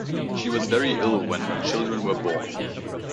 She was very ill when her children were born.